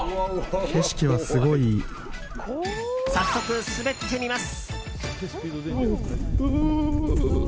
早速、滑ってみます！